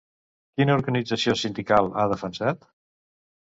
Quina organització sindical ha defensat?